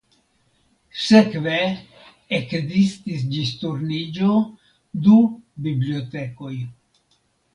Sekve ekzistis ĝis Turniĝo du bibliotekoj.